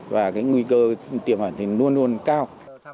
và cái nguy cơ tiềm ẩn thì luôn luôn cao